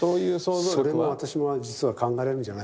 それも私も実は考えられるんじゃないかと。